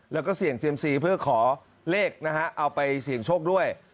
แล้วก็เสี่ยงเซียมซีเพื่อขอเลขนะฮะเอาไปเสี่ยงโชคด้วย